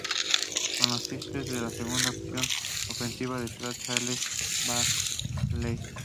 Con los Sixers era la segunda opción ofensiva, tras Charles Barkley.